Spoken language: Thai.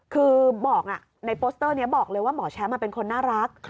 คือบอกอ่ะบอกเลยว่าหมอแช้มมันเป็นน่ารัก